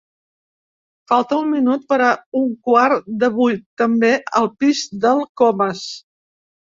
Falta un minut per a un quart de vuit, també, al pis del Comas.